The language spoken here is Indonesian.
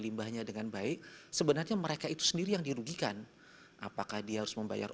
limbahnya dengan baik sebenarnya mereka itu sendiri yang dirugikan apakah dia harus membayar